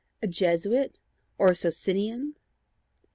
a Jesuit or a Socinian?"